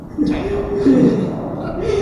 在